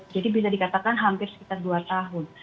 jadi bisa dikatakan hampir sekitar dua tahun